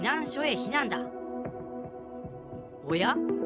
おや？